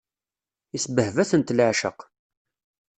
Isbehba-tent leɛceq.